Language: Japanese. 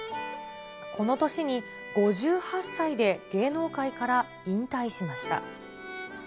この年に５８歳で芸能界から引退しました。